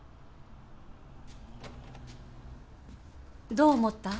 どう思った？